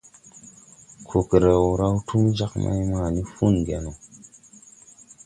Kokrew raw túm jāg mày mani Fuugeno.